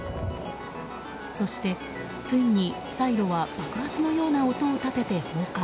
そして、ついにサイロは爆発のような音を立てて崩壊。